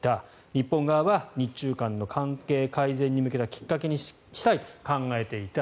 日本側は日中間の関係改善に向けたきっかけにしたいと考えていた。